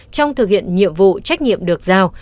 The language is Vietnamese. trong thực hiện nhiệm vụ trách nhiệm được giao